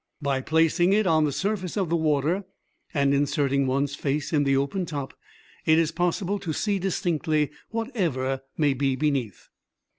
By placing it on the surface of the water and inserting one's face in the open top, it is possible to see distinctly whatever may be beneath.